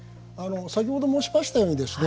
先ほど申しましたようにですね